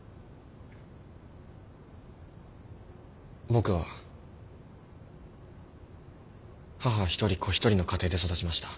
僕は母一人子一人の家庭で育ちました。